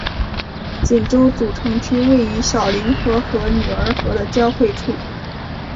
锦州主城区位于小凌河和女儿河的交汇处。